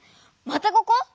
またここ？